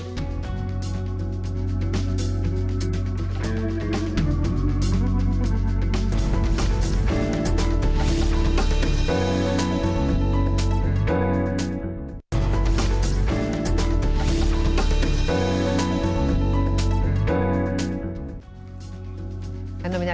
masih ada yang mencoba mencoba